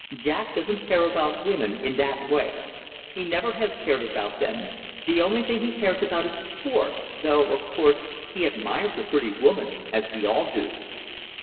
Jack doesn't care about women in that way. He never has cared about them. The only thing he cares about is sport, though, of course, he admires a pretty woman, as we all do."